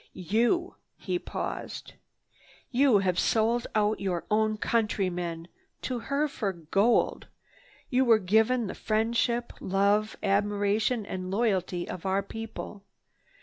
You—" he paused. "You have sold out your own countrymen to her for gold. You were given the friendship, love, admiration and loyalty of our people.